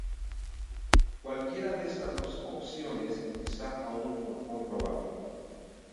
Cualquiera de estas dos opciones está aún por comprobar.